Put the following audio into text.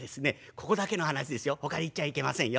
ここだけの話ですよほかに言っちゃいけませんよ。